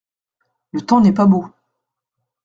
Le temps n’est pas beau.